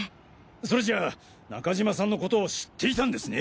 それじゃ中島さんのことを知っていたんですね？